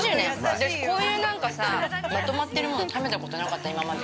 私こういうなんかさ、まとまってるもの、食べたことなかった、今まで。